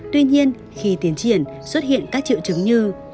tuy nhiên khi tiến triển xuất hiện các triệu chứng như